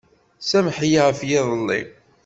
Sameḥ-iyi ɣef yiḍelli.